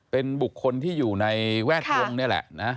เป็นบุคคลที่อยู่ในแวดวงนี่แหละนะ